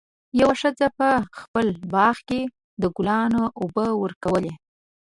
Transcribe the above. یوه ښځه په خپل باغ کې د ګلانو اوبه ورکولې.